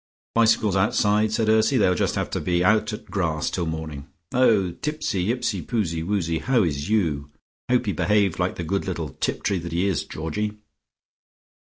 "Bicycles outside," said Ursy, "they'll just have to be out at grass till morning. Oh, Tipsi ipsi poozie woozy, how is you? Hope he behaved like the good little Tiptree that he is, Georgie?"